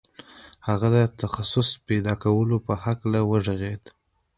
هغه د تخصص پیدا کولو په هکله وغږېد